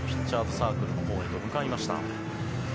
サークルのほうへ向かいました。